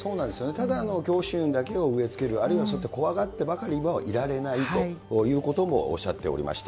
ただ、恐怖心だけを植えつける、あるいはそうやって怖がってばかりはいられないということもおっしゃっていました。